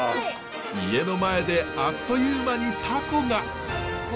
家の前であっという間にタコが！